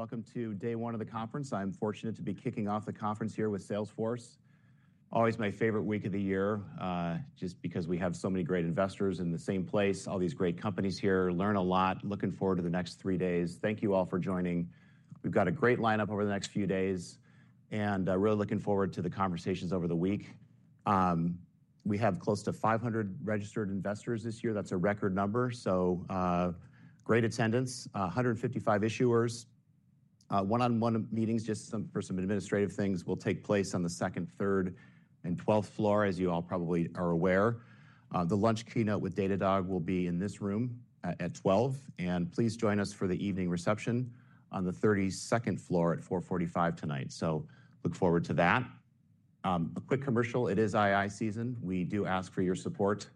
Welcome to day one of the conference. I'm fortunate to be kicking off the conference here with Salesforce. Always my favorite week of the year, just because we have so many great investors in the same place, all these great companies here. Learn a lot. Looking forward to the next three days. Thank you all for joining. We've got a great lineup over the next few days, and really looking forward to the conversations over the week. We have close to 500 registered investors this year. That's a record number. Great attendance, 155 issuers. One-on-one meetings, just for some administrative things, will take place on the second, third, and twelfth floor, as you all probably are aware. The lunch keynote with DataDog will be in this room at 12:00 P.M., and please join us for the evening reception on the 32nd floor at 4:45 P.M. tonight. Look forward to that. A quick commercial. It is II season. We do ask for your support.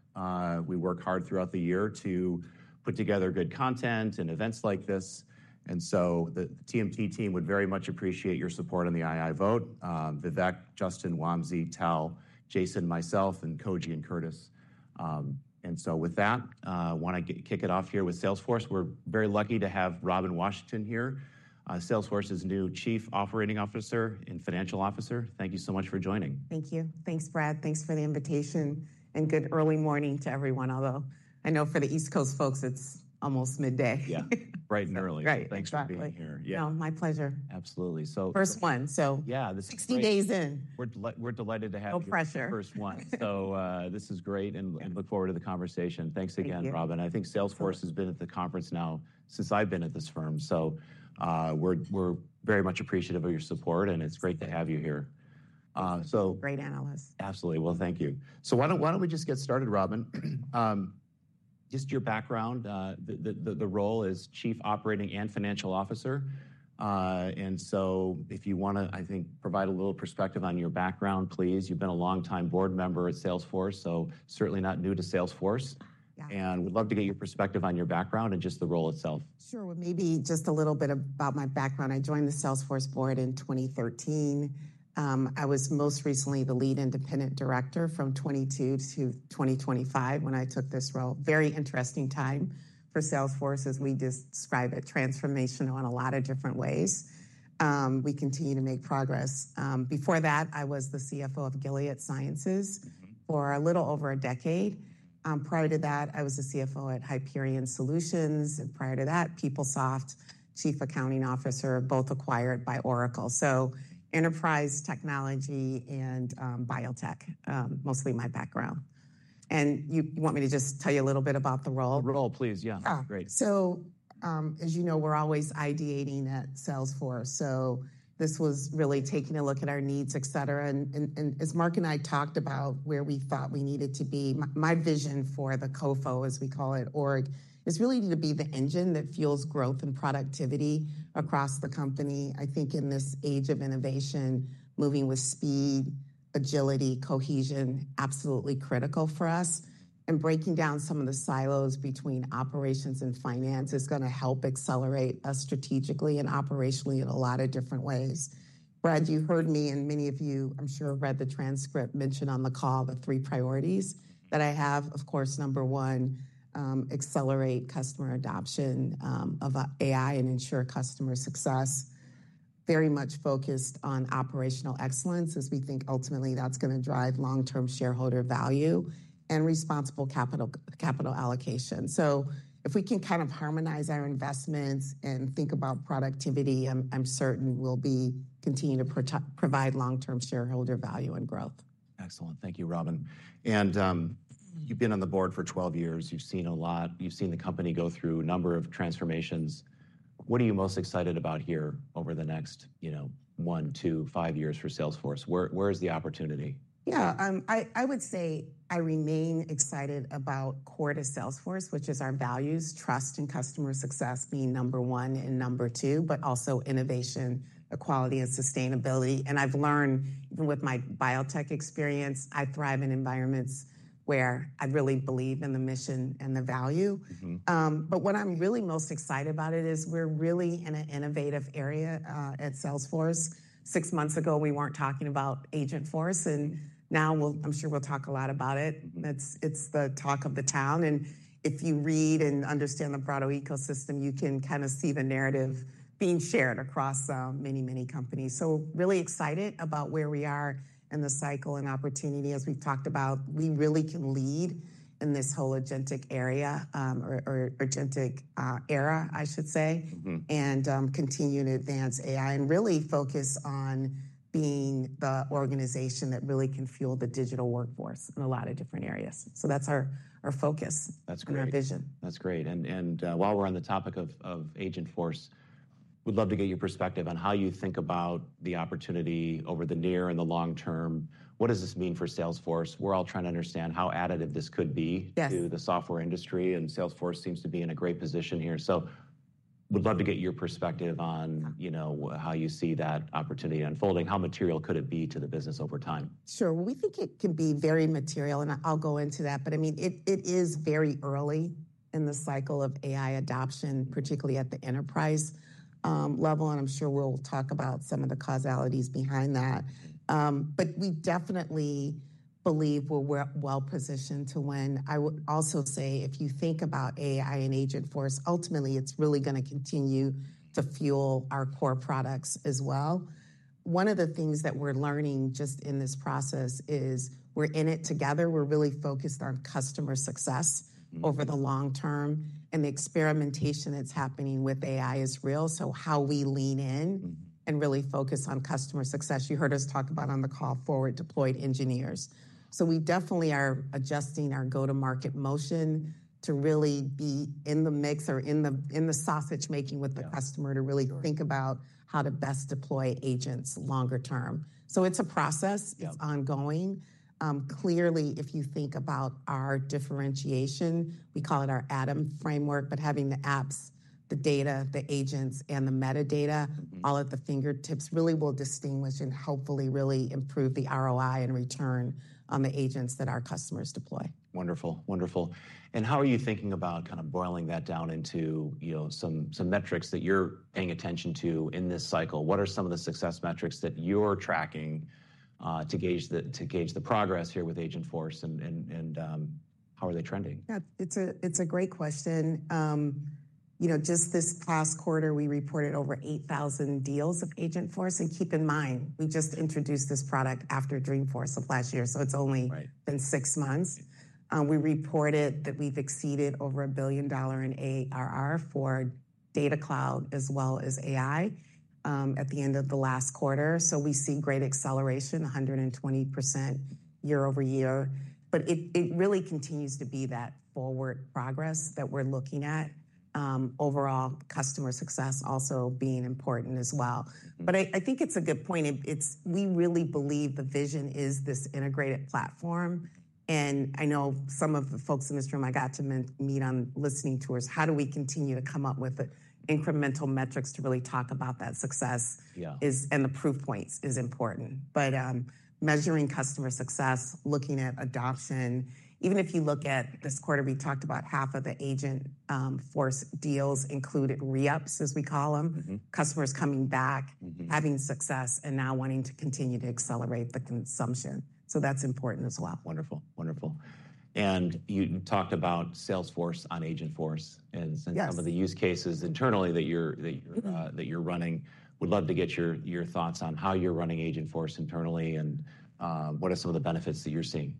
We work hard throughout the year to put together good content and events like this. The TMT team would very much appreciate your support on the II vote: Vivek, Justin, Wamsi, Tal, Jason, myself, Koji, and Curtis. With that, want to kick it off here with Salesforce. We're very lucky to have Robin Washington here, Salesforce's new Chief Operating Officer and Financial Officer. Thank you so much for joining. Thank you. Thanks, Brad. Thanks for the invitation. And good early morning to everyone, although I know for the East Coast folks, it's almost midday. Yeah. Bright and early. Right. Exactly. Exactly here. Yeah. No, my pleasure. Absolutely. So. First one. So. Yeah. This is great. 60 days in. We're delighted to have you. No pressure. First one. This is great, and look forward to the conversation. Thanks again, Robin. Thank you. I think Salesforce has been at the conference now since I've been at this firm. We're very much appreciative of your support, and it's great to have you here. Great analysts. Absolutely. Thank you. Why don't we just get started, Robin? Just your background. The role is Chief Operating and Financial Officer. If you want to, I think, provide a little perspective on your background, please. You've been a longtime board member at Salesforce, so certainly not new to Salesforce. Yeah. We'd love to get your perspective on your background and just the role itself. Sure. Maybe just a little bit about my background. I joined the Salesforce board in 2013. I was most recently the lead independent director from 2022 to 2025 when I took this role. Very interesting time for Salesforce, as we describe it, transformational in a lot of different ways. We continue to make progress. Before that, I was the CFO of Gilead Sciences. Mm-hmm. For a little over a decade. Prior to that, I was the CFO at Hyperion Solutions, and prior to that, PeopleSoft Chief Accounting Officer, both acquired by Oracle. So, enterprise technology and biotech, mostly my background. And you want me to just tell you a little bit about the role? The role, please. Yeah. Oh. Great. As you know, we're always ideating at Salesforce. This was really taking a look at our needs, et cetera. As Mark and I talked about where we thought we needed to be, my vision for the COFO, as we call it, org, is really to be the engine that fuels growth and productivity across the company. I think in this age of innovation, moving with speed, agility, cohesion, absolutely critical for us. Breaking down some of the silos between operations and finance is going to help accelerate us strategically and operationally in a lot of different ways. Brad, you heard me, and many of you, I'm sure, read the transcript mentioned on the call, the three priorities that I have. Of course, number one, accelerate customer adoption of AI and ensure customer success. Very much focused on operational excellence, as we think ultimately that's going to drive long-term shareholder value and responsible capital allocation. If we can kind of harmonize our investments and think about productivity, I'm certain we'll be continuing to provide long-term shareholder value and growth. Excellent. Thank you, Robin. You've been on the board for 12 years. You've seen a lot. You've seen the company go through a number of transformations. What are you most excited about here over the next, you know, one, two, five years for Salesforce? Where is the opportunity? Yeah. I would say I remain excited about core to Salesforce, which is our values, trust, and customer success being number one and number two, but also innovation, equality, and sustainability. I have learned, even with my biotech experience, I thrive in environments where I really believe in the mission and the value. What I'm really most excited about is we're really in an innovative area, at Salesforce. Six months ago, we weren't talking about Agentforce, and now we'll, I'm sure we'll talk a lot about it. It's the talk of the town. If you read and understand the broader ecosystem, you can kind of see the narrative being shared across many, many companies. Really excited about where we are in the cycle and opportunity. As we've talked about, we really can lead in this whole agentic area, or agentic era, I should say. We continue to advance AI and really focus on being the organization that really can fuel the digital workforce in a lot of different areas. So that's our focus of our vision. That's great. While we're on the topic of Agentforce, we'd love to get your perspective on how you think about the opportunity over the near and the long term. What does this mean for Salesforce? We're all trying to understand how additive this could be. Yes. To the software industry, and Salesforce seems to be in a great position here. We'd love to get your perspective on, you know, how you see that opportunity unfolding. How material could it be to the business over time? Sure. We think it can be very material, and I'll go into that. I mean, it is very early in the cycle of AI adoption, particularly at the enterprise level. I'm sure we'll talk about some of the causalities behind tha. But we definitely believe we're well-positioned to win. I would also say, if you think about AI and Agentforce, ultimately, it's really going to continue to fuel our core products as well. One of the things that we're learning just in this process is we're in it together. We're really focused on customer success. Over the long term. The experimentation that's happening with AI is real. How we lean in. We really focus on customer success. You heard us talk about on the call forward-deployed engineers. We definitely are adjusting our go-to-market motion to really be in the mix or in the sausage-making with the customer to really think about. How to best deploy agents longer term. It is a process. It's ongoing. Clearly, if you think about our differentiation, we call it our ADAM framework, but having the apps, the data, the agents, and the metadata. All at the fingertips really will distinguish and hopefully really improve the ROI and return on the agents that our customers deploy. Wonderful. Wonderful. How are you thinking about kind of boiling that down into, you know, some metrics that you're paying attention to in this cycle? What are some of the success metrics that you're tracking, to gauge the, to gauge the progress here with Agentforce and, and, and, how are they trending? Yeah. It's a, it's a great question. You know, just this past quarter, we reported over 8,000 deals of Agentforce. And keep in mind, we just introduced this product after Dreamforce of last year, so it's only been six months. We reported that we've exceeded over a billion dollar in ARR for Data Cloud as well as AI, at the end of the last quarter. We see great acceleration, 120% year over year. It really continues to be that forward progress that we're looking at. Overall customer success also being important as well I think it's a good point. It's, we really believe the vision is this integrated platform. And I know some of the folks in this room I got to meet on listening tours, how do we continue to come up with incremental metrics to really talk about that success? Yeah. Is and the proof points is important. Measuring customer success, looking at adoption. Even if you look at this quarter, we talked about half of the Agentforce deals included re-ups, as we call them. Mm-hmm. Customers coming back. Mm-hmm. Having success and now wanting to continue to accelerate the consumption. That is important as well. Wonderful. Wonderful. You talked about Salesforce on Agentforce. Yes. Some of the use cases internally that you're, that you're running. We'd love to get your thoughts on how you're running Agentforce internally and what are some of the benefits that you're seeing?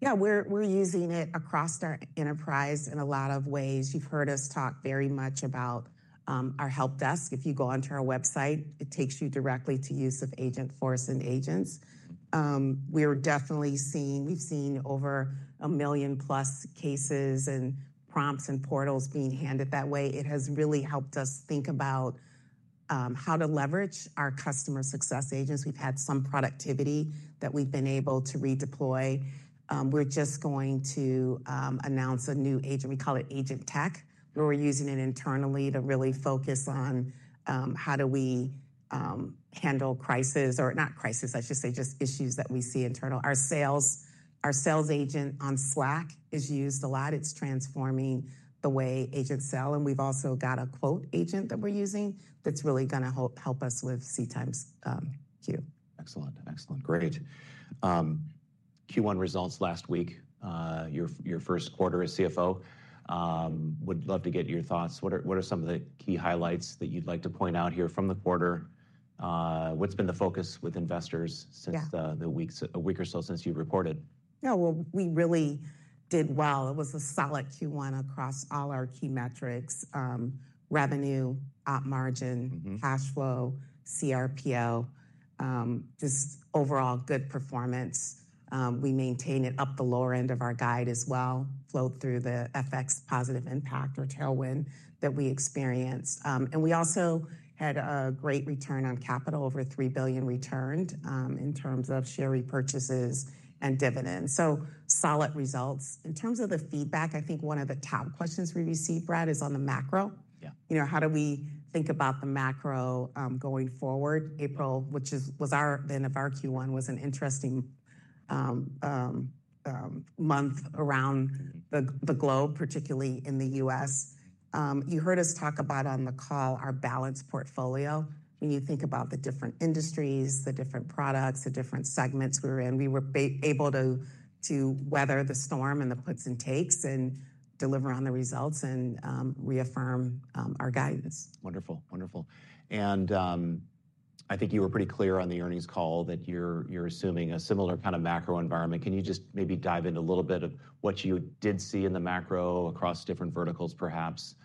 Yeah. We're using it across our enterprise in a lot of ways. You've heard us talk very much about our help desk. If you go onto our website, it takes you directly to use of Agentforce and agents. We are definitely seeing, we've seen over a million-plus cases and prompts and portals being handed that way. It has really helped us think about how to leverage our customer success agents. We've had some productivity that we've been able to redeploy. We're just going to announce a new agent. We call it Agentforce, where we're using it internally to really focus on how do we handle crisis or not crisis, I should say, just issues that we see internal. Our sales, our sales agent on Slack is used a lot. It's transforming the way agents sell. We've also got a quote agent that we're using that's really going to help us with C-times, queue. Excellent. Excellent. Great. Q1 results last week, your first quarter as CFO. Would love to get your thoughts. What are some of the key highlights that you'd like to point out here from the quarter? What's been the focus with investors since. The weeks, a week or so since you reported? Yeah. We really did well. It was a solid Q1 across all our key metrics. Revenue, op margin. Cash flow, CRPO, just overall good performance. We maintain it up the lower end of our guide as well, flow through the FX positive impact or tailwind that we experienced. We also had a great return on capital, over $3 billion returned, in terms of share repurchases and dividends. Solid results. In terms of the feedback, I think one of the top questions we received, Brad, is on the macro. Yeah. You know, how do we think about the macro, going forward? April, which was our, the end of our Q1, was an interesting month around the globe, particularly in the US. You heard us talk about on the call our balanced portfolio. When you think about the different industries, the different products, the different segments we were in, we were able to weather the storm and the puts and takes and deliver on the results and reaffirm our guidance. Wonderful. Wonderful. I think you were pretty clear on the earnings call that you're assuming a similar kind of macro environment. Can you just maybe dive into a little bit of what you did see in the macro across different verticals, perhaps?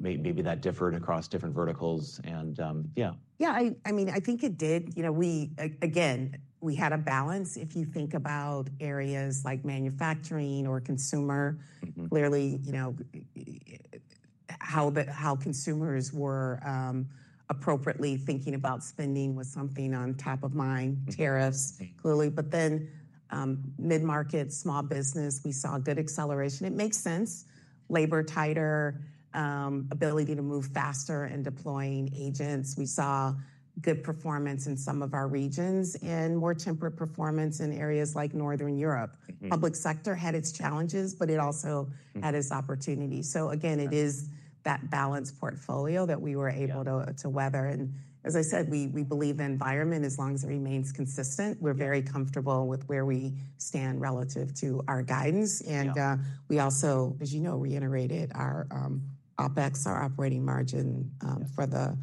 Maybe that differed across different verticals and, yeah. Yeah. I mean, I think it did. You know, we, again, we had a balance. If you think about areas like manufacturing or consumer. Mm-hmm. Clearly, you know, how the, how consumers were appropriately thinking about spending was something on top of mind. Mm-hmm. Tariffs, clearly. Then, mid-market, small business, we saw good acceleration. It makes sense. Labor tighter, ability to move faster in deploying agents. We saw good performance in some of our regions and more temperate performance in areas like Northern Europe. Mm-hmm. Public sector had its challenges, but it also. Mm-hmm. It had its opportunities. Again, it is that balanced portfolio that we were able to weather. As I said, we believe in environment as long as it remains consistent. We are very comfortable with where we stand relative to our guidance. Yeah. We also, as you know, reiterated our OPEX, our operating margin, for the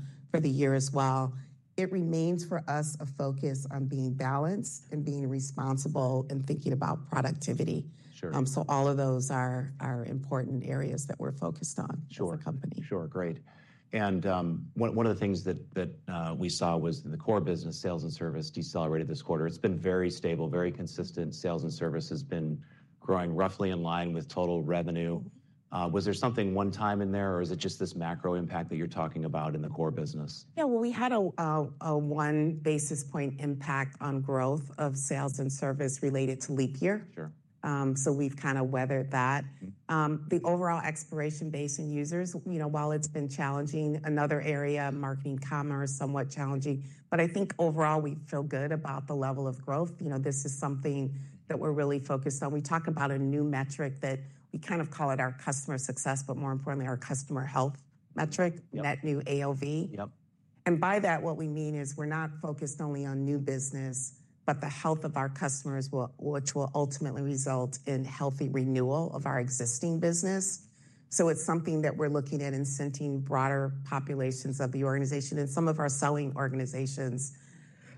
year as well. It remains for us a focus on being balanced and being responsible and thinking about productivity. Sure. All of those are important areas that we're focused on. Sure. For the company. Sure. Great. One of the things that we saw was the core business, sales and service, decelerated this quarter. It's been very stable, very consistent. Sales and service has been growing roughly in line with total revenue. Was there something one time in there, or is it just this macro impact that you're talking about in the core business? Yeah. We had a one basis point impact on growth of sales and service related to leap year. Sure. we've kind of weathered that. Mm-hmm. The overall expiration base and users, you know, while it's been challenging, another area, marketing commerce, somewhat challenging. I think overall we feel good about the level of growth. You know, this is something that we're really focused on. We talk about a new metric that we kind of call it our customer success, but more importantly, our customer health metric. Yep. That new AOV. Yep. By that, what we mean is we're not focused only on new business, but the health of our customers will, which will ultimately result in healthy renewal of our existing business. It is something that we're looking at incenting broader populations of the organization and some of our selling organizations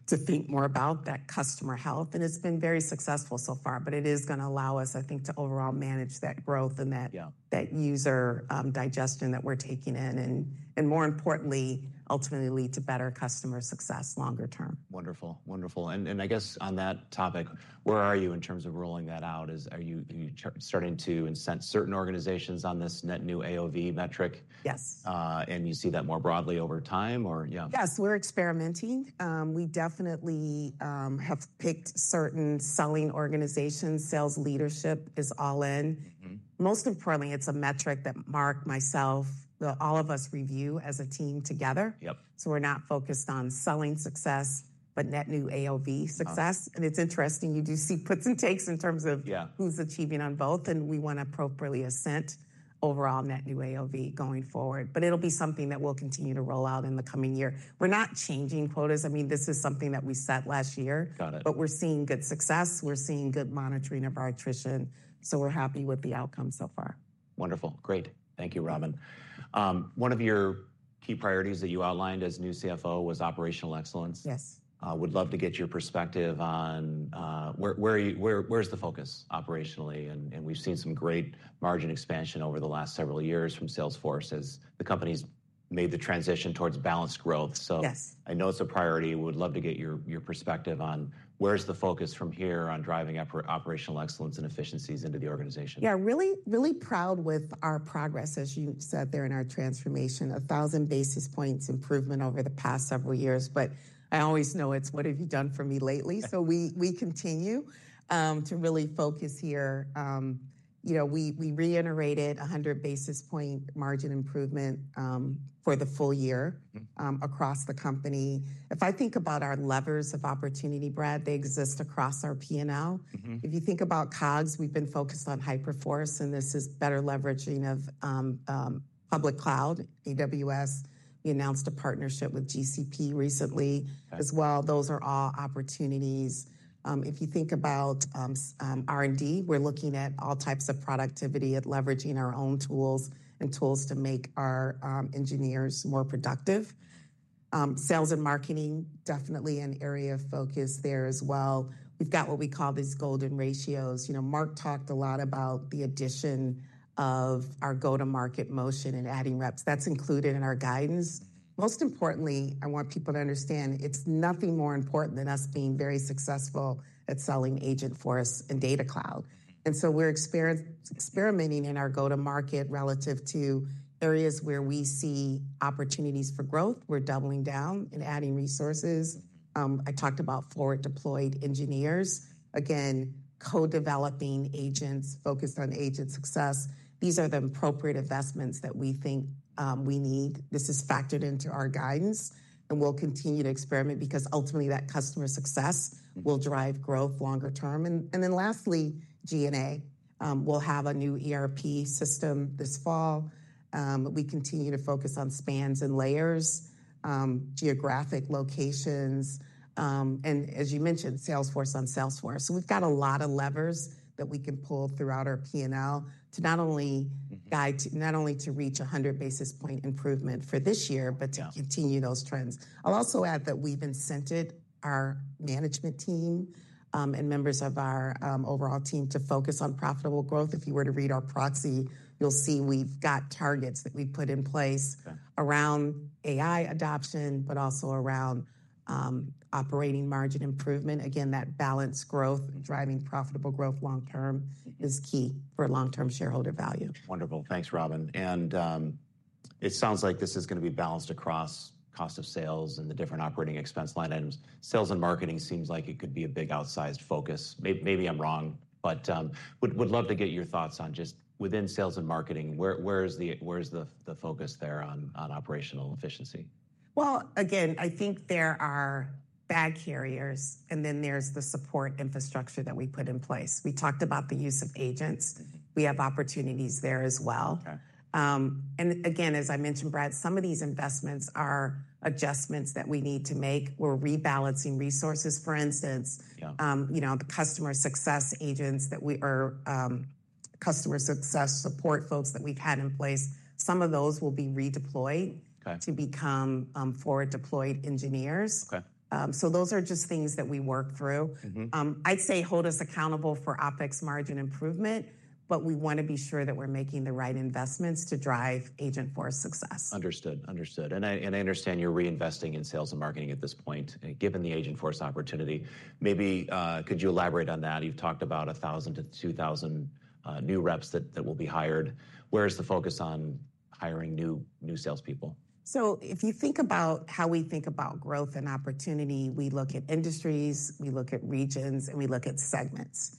to think more about that customer health. It has been very successful so far, but it is going to allow us, I think, to overall manage that growth and that. Yeah. That user digestion that we're taking in, and more importantly, ultimately lead to better customer success longer term. Wonderful. Wonderful. I guess on that topic, where are you in terms of rolling that out? Is, are you, are you starting to incent certain organizations on this net new AOV metric? Yes. And you see that more broadly over time, or yeah? Yes. We're experimenting. We definitely have picked certain selling organizations. Sales leadership is all in. Mm-hmm. Most importantly, it's a metric that Marc, myself, all of us review as a team together. Yep. We're not focused on selling success, but net new AOV success. Sure. It's interesting. You do see puts and takes in terms of. Yeah. Who's achieving on both. We want to appropriately assent overall net new AOV going forward. It'll be something that we'll continue to roll out in the coming year. We're not changing quotas. I mean, this is something that we set last year. Got it. We're seeing good success. We're seeing good monitoring of our attrition. So we're happy with the outcome so far. Wonderful. Great. Thank you, Robin. One of your key priorities that you outlined as new CFO was operational excellence. Yes. would love to get your perspective on where, where are you, where, where's the focus operationally? And we've seen some great margin expansion over the last several years from Salesforce as the company's made the transition towards balanced growth. Yes. I know it's a priority. We'd love to get your perspective on where's the focus from here on driving up our operational excellence and efficiencies into the organization. Yeah. Really, really proud with our progress, as you said there, in our transformation, a thousand basis points improvement over the past several years. I always know it's what have you done for me lately. Yeah. We continue to really focus here. You know, we reiterated a 100 basis point margin improvement for the full year. Mm-hmm. across the company. If I think about our levers of opportunity, Brad, they exist across our P&L. Mm-hmm. If you think about COGS, we've been focused on Hyperforce, and this is better leveraging of public cloud, AWS. We announced a partnership with GCP recently. Okay. As well. Those are all opportunities. If you think about R&D, we're looking at all types of productivity at leveraging our own tools and tools to make our engineers more productive. Sales and marketing, definitely an area of focus there as well. We've got what we call these golden ratios. You know, Marc talked a lot about the addition of our go-to-market motion and adding reps. That's included in our guidance. Most importantly, I want people to understand there's nothing more important than us being very successful at selling Agentforce and Data Cloud. And so we're experimenting in our go-to-market relative to areas where we see opportunities for growth. We're doubling down and adding resources. I talked about forward-deployed engineers. Again, co-developing agents focused on agent success. These are the appropriate investments that we think we need. This is factored into our guidance, and we'll continue to experiment because ultimately that customer success will drive growth longer term. Lastly, G&A, we'll have a new ERP system this fall. We continue to focus on spans and layers, geographic locations. As you mentioned, Salesforce on Salesforce. We've got a lot of levers that we can pull throughout our P&L to not only. Mm-hmm. Guide to not only to reach a 100 basis point improvement for this year, but to continue those trends. I'll also add that we've incented our management team, and members of our overall team to focus on profitable growth. If you were to read our proxy, you'll see we've got targets that we've put in place. Okay. Around AI adoption, but also around operating margin improvement. Again, that balanced growth and driving profitable growth long term is key for long-term shareholder value. Wonderful. Thanks, Robin. It sounds like this is going to be balanced across cost of sales and the different operating expense line items. Sales and marketing seems like it could be a big outsized focus. Maybe I'm wrong, but would love to get your thoughts on just within sales and marketing. Where is the focus there on operational efficiency? I think there are bag carriers, and then there's the support infrastructure that we put in place. We talked about the use of agents. Mm-hmm. We have opportunities there as well. Okay. Again, as I mentioned, Brad, some of these investments are adjustments that we need to make. We're rebalancing resources, for instance. Yeah. you know, the customer success agents that we are, customer success support folks that we've had in place, some of those will be redeployed. Okay. To become forward-deployed engineers. Okay. Those are just things that we work through. Mm-hmm. I'd say hold us accountable for OPEX margin improvement, but we want to be sure that we're making the right investments to drive Agentforce success. Understood. Understood. I understand you're reinvesting in sales and marketing at this point, given the Agentforce opportunity. Maybe, could you elaborate on that? You've talked about a thousand to 2,000 new reps that will be hired. Where's the focus on hiring new salespeople? If you think about how we think about growth and opportunity, we look at industries, we look at regions, and we look at segments.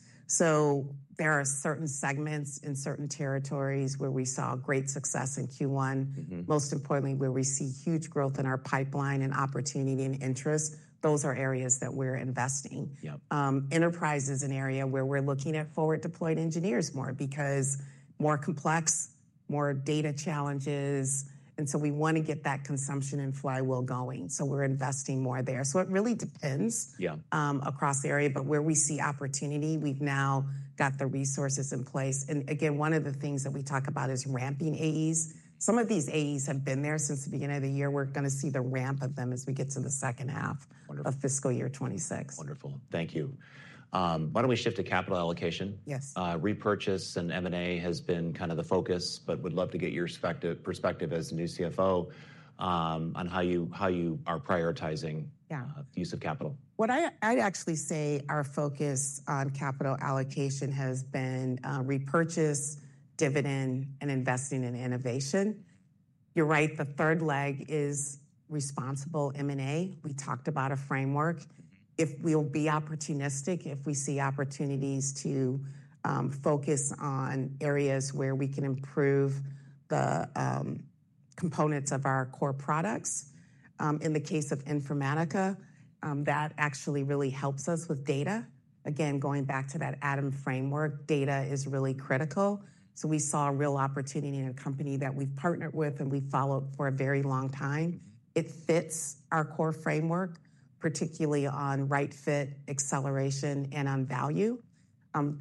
There are certain segments in certain territories where we saw great success in Q1. Mm-hmm. Most importantly, where we see huge growth in our pipeline and opportunity and interest, those are areas that we're investing. Yep. Enterprise is an area where we're looking at forward-deployed engineers more because more complex, more data challenges. We want to get that consumption and flywheel going. We're investing more there. It really depends. Yeah. Across the area, but where we see opportunity, we've now got the resources in place. One of the things that we talk about is ramping AEs. Some of these AEs have been there since the beginning of the year. We're going to see the ramp of them as we get to the second half. Wonderful. Of fiscal year 2026. Wonderful. Thank you. Why don't we shift to capital allocation? Yes. Repurchase and M&A has been kind of the focus, but would love to get your perspective as a new CFO, on how you, how you are prioritizing. Yeah. use of capital. What I'd actually say our focus on capital allocation has been, repurchase, dividend, and investing in innovation. You're right. The third leg is responsible M&A. We talked about a framework. Mm-hmm. If we'll be opportunistic, if we see opportunities to focus on areas where we can improve the components of our core products. In the case of Informatica, that actually really helps us with data. Again, going back to that ADAM framework, data is really critical. We saw a real opportunity in a company that we've partnered with and we've followed for a very long time. Mm-hmm. It fits our core framework, particularly on right fit, acceleration, and on value.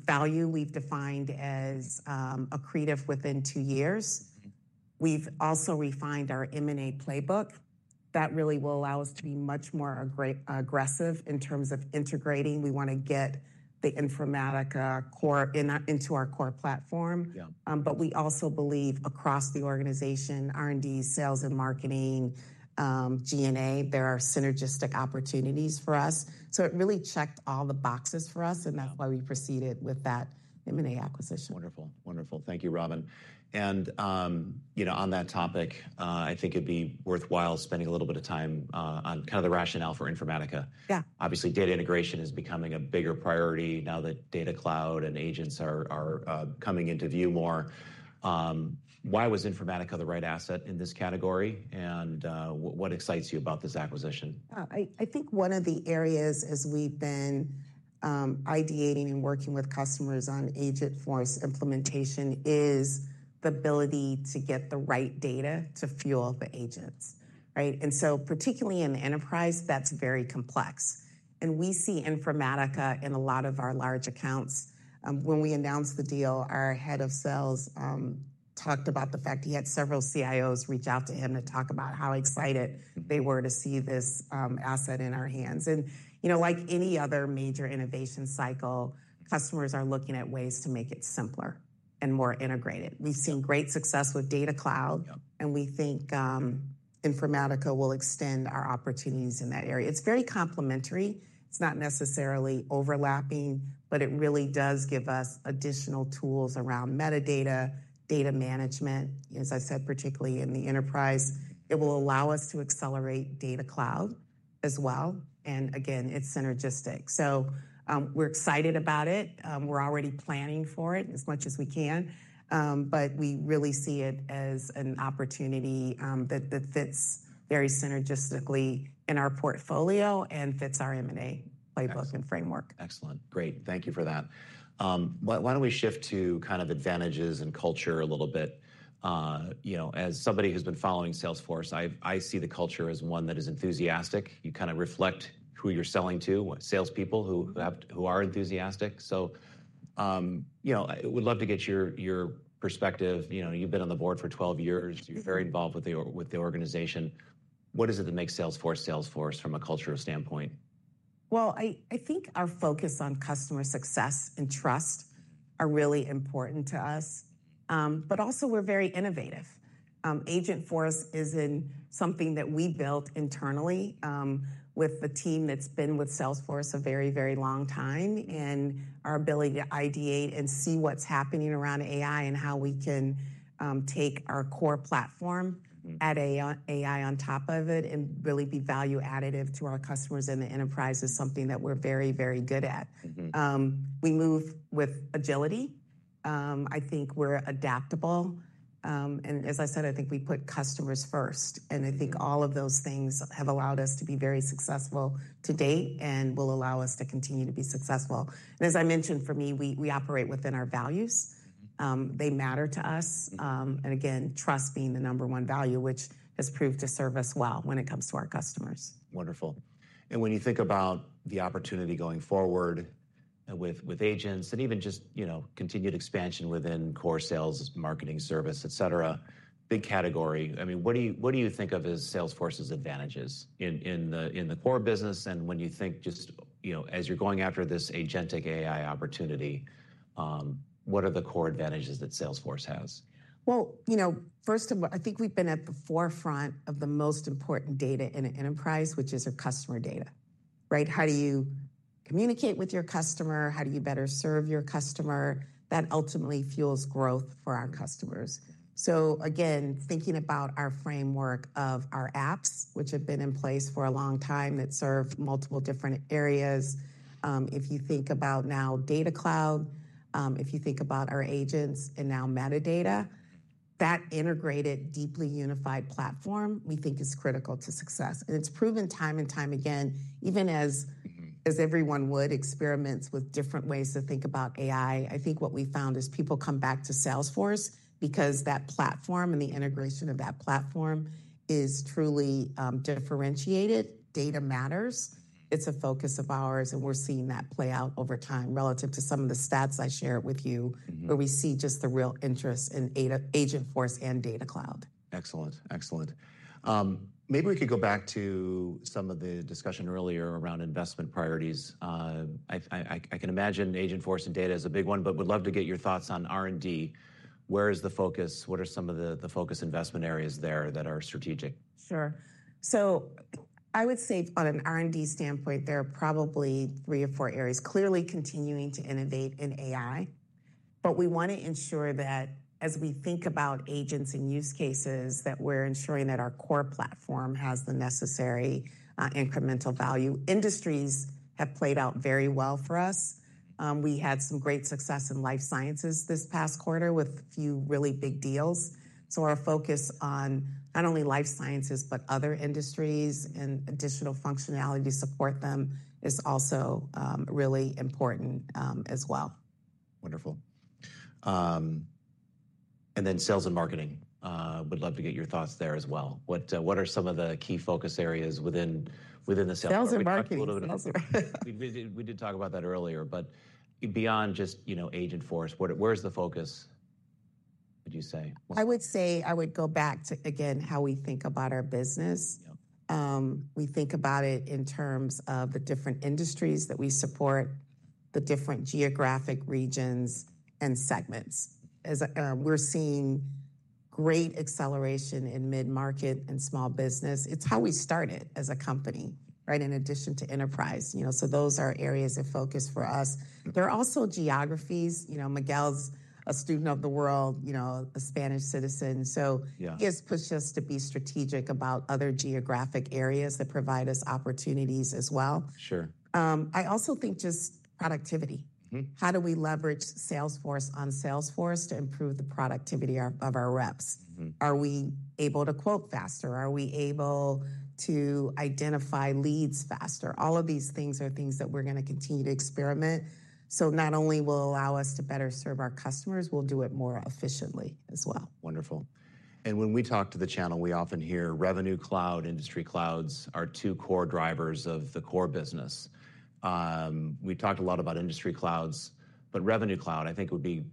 Value we've defined as accretive within two years. Mm-hmm. We've also refined our M&A playbook. That really will allow us to be much more aggressive in terms of integrating. We want to get the Informatica core into our core platform. Yeah. We also believe across the organization, R&D, sales, and marketing, G&A, there are synergistic opportunities for us. It really checked all the boxes for us, and that's why we proceeded with that M&A acquisition. Wonderful. Wonderful. Thank you, Robin. You know, on that topic, I think it'd be worthwhile spending a little bit of time on kind of the rationale for Informatica. Yeah. Obviously, data integration is becoming a bigger priority now that Data Cloud and agents are coming into view more. Why was Informatica the right asset in this category? What excites you about this acquisition? I think one of the areas as we've been ideating and working with customers on Agentforce implementation is the ability to get the right data to fuel the agents, right? Particularly in enterprise, that's very complex. We see Informatica in a lot of our large accounts. When we announced the deal, our head of sales talked about the fact he had several CIOs reach out to him to talk about how excited they were to see this asset in our hands. You know, like any other major innovation cycle, customers are looking at ways to make it simpler and more integrated. We've seen great success with Data Cloud. Yep. We think Informatica will extend our opportunities in that area. It's very complementary. It's not necessarily overlapping, but it really does give us additional tools around metadata, data management. As I said, particularly in the enterprise, it will allow us to accelerate Data Cloud as well. Again, it's synergistic. We're excited about it. We're already planning for it as much as we can. We really see it as an opportunity that fits very synergistically in our portfolio and fits our M&A playbook and framework. Excellent. Great. Thank you for that. Why don't we shift to kind of advantages and culture a little bit? You know, as somebody who's been following Salesforce, I see the culture as one that is enthusiastic. You kind of reflect who you're selling to, salespeople who have, who are enthusiastic. You know, I would love to get your perspective. You know, you've been on the board for 12 years. You're very involved with the organization. What is it that makes Salesforce Salesforce from a cultural standpoint? I think our focus on customer success and trust are really important to us, but also we're very innovative. Agentforce is something that we built internally, with the team that's been with Salesforce a very, very long time and our ability to ideate and see what's happening around AI and how we can take our core platform. Mm-hmm. At AI, AI on top of it and really be value additive to our customers in the enterprise is something that we're very, very good at. Mm-hmm. We move with agility. I think we're adaptable. I think we put customers first. I think all of those things have allowed us to be very successful to date and will allow us to continue to be successful. As I mentioned, for me, we operate within our values. Mm-hmm. They matter to us. Mm-hmm. and again, trust being the number one value, which has proved to serve us well when it comes to our customers. Wonderful. When you think about the opportunity going forward with agents and even just, you know, continued expansion within core sales, marketing, service, et cetera, big category. I mean, what do you, what do you think of as Salesforce's advantages in the core business? When you think just, you know, as you're going after this agentic AI opportunity, what are the core advantages that Salesforce has? I think we've been at the forefront of the most important data in an enterprise, which is our customer data, right? How do you communicate with your customer? How do you better serve your customer? That ultimately fuels growth for our customers. Again, thinking about our framework of our apps, which have been in place for a long time that serve multiple different areas. If you think about now Data Cloud, if you think about our agents and now metadata, that integrated deeply unified platform we think is critical to success. It's proven time and time again, even as. As everyone would, experiments with different ways to think about AI, I think what we found is people come back to Salesforce because that platform and the integration of that platform is truly, differentiated. Data matters. It's a focus of ours, and we're seeing that play out over time relative to some of the stats I shared with you. Mm-hmm. Where we see just the real interest in AI, Agentforce and Data Cloud. Excellent. Excellent. Maybe we could go back to some of the discussion earlier around investment priorities. I can imagine Agentforce and data is a big one, but would love to get your thoughts on R&D. Where is the focus? What are some of the focus investment areas there that are strategic? Sure. I would say on an R&D standpoint, there are probably three or four areas. Clearly, continuing to innovate in AI, but we want to ensure that as we think about agents and use cases, that we're ensuring that our core platform has the necessary incremental value. Industries have played out very well for us. We had some great success in life sciences this past quarter with a few really big deals. Our focus on not only life sciences, but other industries and additional functionality to support them is also really important, as well. Wonderful. And then sales and marketing, would love to get your thoughts there as well. What are some of the key focus areas within the Salesforce? Sales and marketing. A little bit of sales and marketing. We did, we did talk about that earlier, but beyond just, you know, Agentforce, where, where's the focus, would you say? I would say I would go back to, again, how we think about our business. Yeah. We think about it in terms of the different industries that we support, the different geographic regions and segments. As we're seeing great acceleration in mid-market and small business. It's how we started as a company, right? In addition to enterprise, you know, so those are areas of focus for us. There are also geographies. You know, Miguel's a student of the world, you know, a Spanish citizen. So. Yeah. He has pushed us to be strategic about other geographic areas that provide us opportunities as well. Sure. I also think just productivity. Mm-hmm. How do we leverage Salesforce on Salesforce to improve the productivity of our reps? Mm-hmm. Are we able to quote faster? Are we able to identify leads faster? All of these things are things that we're going to continue to experiment. Not only will it allow us to better serve our customers, we'll do it more efficiently as well. Wonderful. When we talk to the channel, we often hear Revenue Cloud, Industry Clouds are two core drivers of the core business. We talked a lot about Industry Clouds, but Revenue Cloud, I think it would be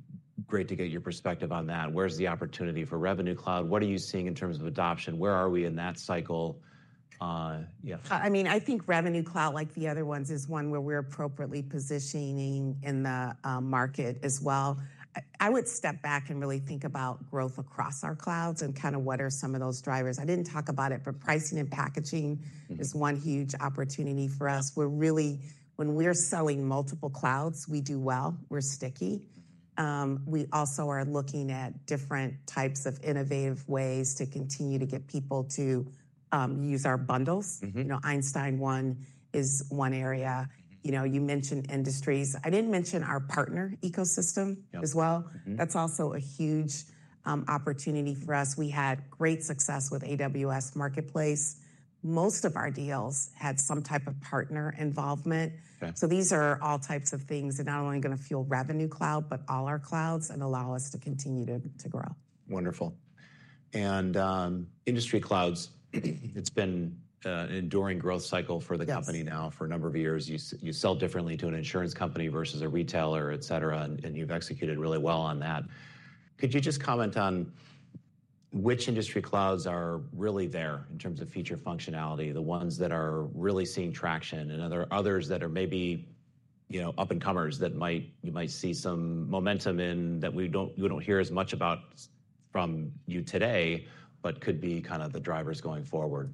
great to get your perspective on that. Where's the opportunity for Revenue Cloud? What are you seeing in terms of adoption? Where are we in that cycle? Yeah. I mean, I think Revenue Cloud, like the other ones, is one where we're appropriately positioning in the market as well. I would step back and really think about growth across our clouds and kind of what are some of those drivers. I didn't talk about it, but pricing and packaging. Mm-hmm. Is one huge opportunity for us. We're really, when we're selling multiple clouds, we do well. We're sticky. Mm-hmm. We also are looking at different types of innovative ways to continue to get people to, use our bundles. Mm-hmm. You know, Einstein One is one area. Mm-hmm. You know, you mentioned industries. I didn't mention our partner ecosystem. Yep. As well. Mm-hmm. That's also a huge opportunity for us. We had great success with AWS Marketplace. Most of our deals had some type of partner involvement. Okay. These are all types of things that not only are going to fuel Revenue Cloud, but all our clouds and allow us to continue to grow. Wonderful. Industry clouds, it's been an enduring growth cycle for the company now for a number of years. You sell differently to an insurance company versus a retailer, et cetera, and you've executed really well on that. Could you just comment on which industry clouds are really there in terms of feature functionality, the ones that are really seeing traction and others that are maybe, you know, up-and-comers that you might see some momentum in that we don't hear as much about from you today, but could be kind of the drivers going forward?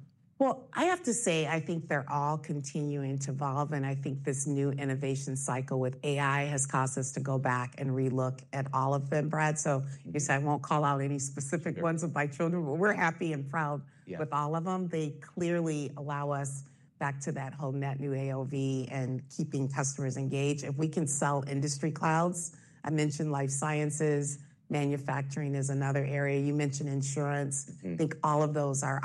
I have to say, I think they're all continuing to evolve. I think this new innovation cycle with AI has caused us to go back and relook at all of them, Brad. I guess I won't call out any specific ones of my children, but we're happy and proud. Yeah. With all of them. They clearly allow us back to that whole net new AOV and keeping customers engaged. If we can sell industry clouds, I mentioned life sciences, manufacturing is another area. You mentioned insurance. Mm-hmm. I think all of those are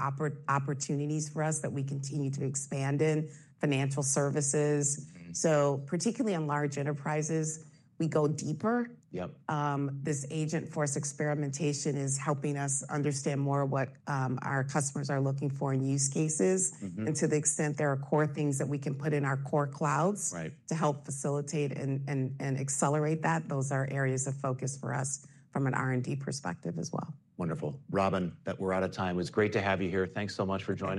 opportunities for us that we continue to expand in financial services. Mm-hmm. Particularly in large enterprises, we go deeper. Yep. This Agentforce experimentation is helping us understand more what our customers are looking for in use cases. Mm-hmm. To the extent there are core things that we can put in our core clouds. Right. To help facilitate and accelerate that. Those are areas of focus for us from an R&D perspective as well. Wonderful. Robin, that we are out of time. It was great to have you here. Thanks so much for joining.